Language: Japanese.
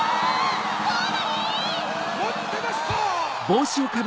まってました！